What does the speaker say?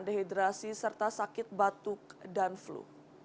dehidrasi serta sakit batuk dan flu